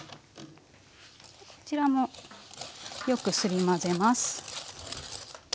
こちらもよくすり混ぜます。